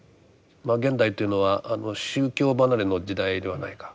現代というのは宗教離れの時代ではないか。